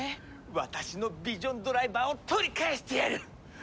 私のヴィジョンドライバーを取り返してやる！